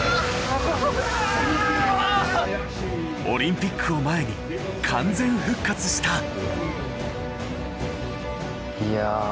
オリンピックを前に完全復活した。